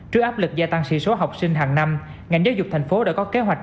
trước áp lực gia tăng sĩ số học sinh hàng năm ngành giáo dục thành phố đã có kế hoạch